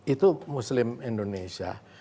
itu muslim indonesia